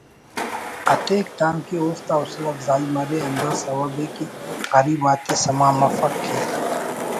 اتیک تانکہ اوفتا حوصلہ افزائی مرے ہندا سوب ءِ کہ غریب آتے سما مفک کہ